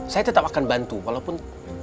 saya tetap akan bantu walaupun